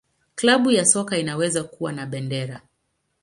Klabu ya soka inaweza kuwa na bendera.